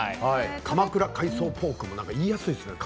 鎌倉海藻ポークもなんか言いやすいですね。